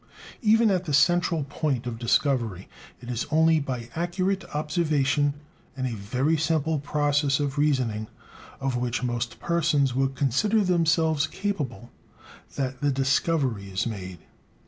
Even at the "central point" of discovery, it is only by accurate observation and a very simple process of reasoning, of which most persons would consider themselves capable, that the discovery is made.